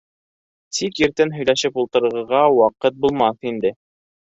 Тик иртән һөйләшеп ултырырға ваҡыт булмаҫ инде.